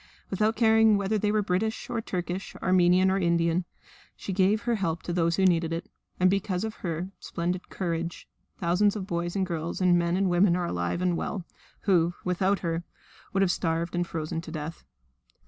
Without caring whether they were British or Turkish, Armenian or Indian, she gave her help to those who needed it. And because of her splendid courage thousands of boys and girls and men and women are alive and well, who without her would have starved and frozen to death.